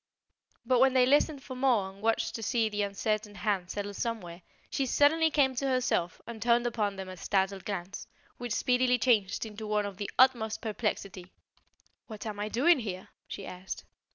But when they listened for more and watched to see the uncertain hand settle somewhere, she suddenly came to herself and turned upon them a startled glance, which speedily changed into one of the utmost perplexity. "What am I doing here?" she asked.